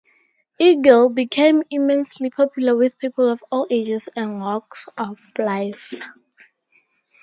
"Eagle" became immensely popular with people of all ages and walks of life.